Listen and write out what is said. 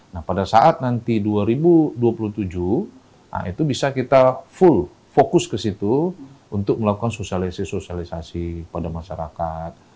nah pada saat nanti dua ribu dua puluh tujuh itu bisa kita full fokus ke situ untuk melakukan sosialisasi sosialisasi pada masyarakat